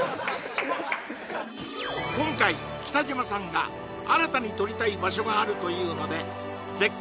今回北島さんが新たに撮りたい場所があるというので絶景